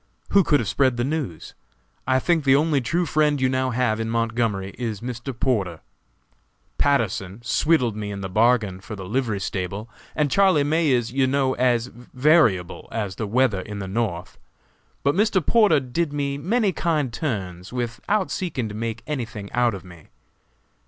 Who could have spread the news? I think the only true friend you now have in Montgomery is Mr. Porter. Patterson swindled me in the bargain for the livery stable, and Charlie May is, you know, as variable as the weather in the North; but Mr. Porter did me many kind turns without seeking to make anything out of me.